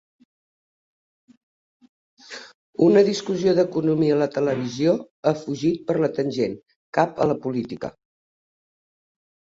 Una discussió d'economia a la televisió ha fugit per la tangent cap a la política.